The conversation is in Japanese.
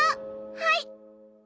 はい！